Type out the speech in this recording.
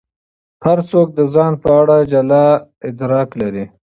هر څوک د ځان په اړه جلا ادراک لري.